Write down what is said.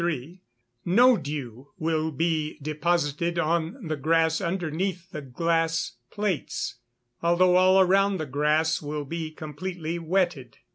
3, no dew will be deposited on the grass underneath the glass plates, although all around the grass will be completely wetted.